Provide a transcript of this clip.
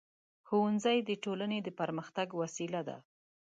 ښوونځی د ټولنې د پرمختګ وسیله ده.